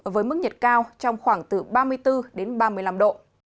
với mức nhiệt cao trong khoảng từ ba mươi bốn đến ba mươi năm độ